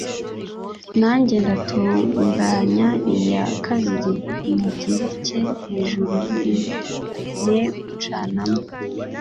nanjye ndatunganya iya kabiri nyigereke hejuru y’inkwi, ne gucanamo